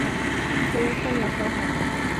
Se usan las hojas.